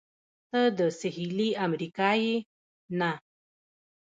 ته د سهېلي امریکا یې؟ نه.